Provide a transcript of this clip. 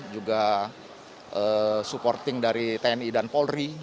juga supporting dari tni dan polri